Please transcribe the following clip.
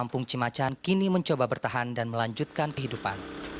kampung cimacan kini mencoba bertahan dan melanjutkan kehidupan